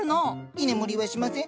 居眠りしません！